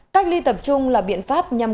cách ly tập trung là biện pháp nhằm